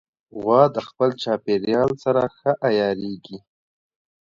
غوا د خپل چاپېریال سره ښه عیارېږي.